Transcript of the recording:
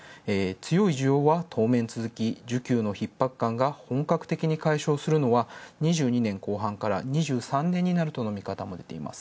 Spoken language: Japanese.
強い需要はとおめん続き本格的に回復するのは２２年後半から２３年になるとの見方も出ています。